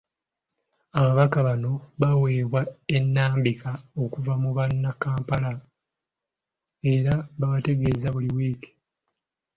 Ababaka bano baweebwa ennambika okuva mu banampala era babategeeza buli wiiki